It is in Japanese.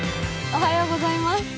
おはようございます。